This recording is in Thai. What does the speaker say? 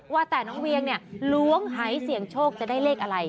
ว่าแต่น้องเวียงเนี่ยล้วงหายเสี่ยงโชคจะได้เลขอะไร